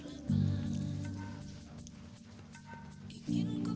banyakkan alesan lu